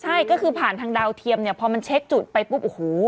ใช่ก็คือผ่านทางดาวเทียมเนี่ยพอมันเช็คจุดไปปุ๊บโอ้โห